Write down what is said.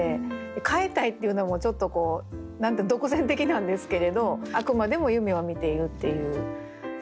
「変えたい」っていうのもちょっと独善的なんですけれどあくまでも夢を見ているっていうそこがいいな。